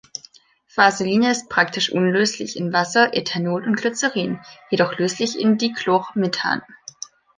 Vaseline ist praktisch unlöslich in Wasser, Ethanol und Glycerin, jedoch löslich in Dichlormethan.